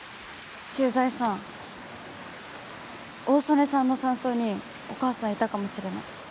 駐在さん大曾根さんの山荘にお母さんいたかもしれない。